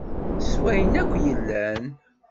S wayen akk yellan.